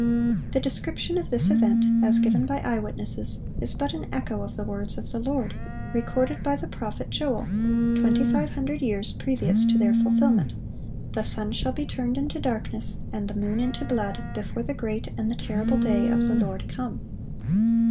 The description of this event, as given by eye witnesses, is but an echo of the words of the Lord, recorded by the prophet Joel, twenty five hundred years previous to their fulfilment: "The sun shall be turned into darkness, and the moon into blood, before the great and the terrible day of the Lord come."